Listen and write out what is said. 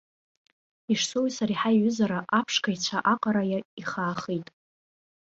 Ешсоуи сареи ҳаиҩызара аԥшқа ицәа аҟара ихаахеит.